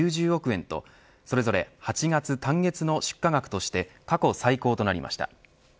円と、それぞれ８月単月の出荷額として過去最高となりました。